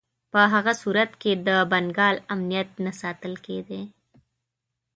په هغه صورت کې د بنګال امنیت نه ساتل کېدی.